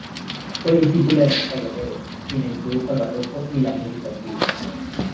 Fue discípula de Rita Guerrero, quien la introdujo al Barroco y la música antigua.